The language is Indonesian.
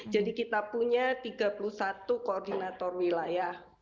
jadi kita punya tiga puluh satu koordinator wilayah